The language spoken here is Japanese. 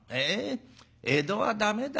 江戸は駄目だ。